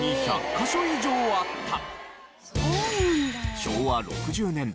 昭和６０年代